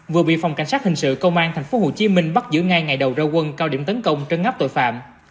vừa bị phòng cảnh sát hình sự công an tp hcm bắt giữ ngay ngày đầu ra quân cao điểm tấn công trân ngắp tội phạm